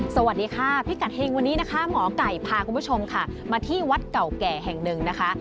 สวัสดีค่ะพิกัดเฮงวันนี้นะคะหมอไก่พาคุณผู้ชมค่ะมาที่วัดเก่าแก่แห่งหนึ่งนะคะ